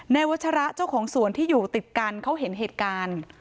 วัชระเจ้าของสวนที่อยู่ติดกันเขาเห็นเหตุการณ์